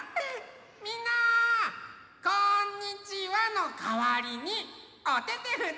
みんな「こんにちは」のかわりにおててふって！